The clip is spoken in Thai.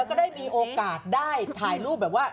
ก็ได้มีโอกาสได้ถ่ายรูปแบบว่า